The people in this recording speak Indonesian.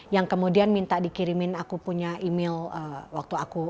yang kemudian minta dikirimin aku punya email waktu aku